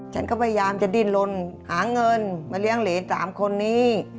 ฉันก็พยายามจะดิ้นลนหาเงินมาเลี้ยงเหรน๓คนนี้